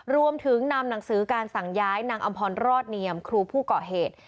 รวมถึงนำหนังสือการสั่งย้ายนางอำพรรอดเนียมครูผู้ก่อเหตุ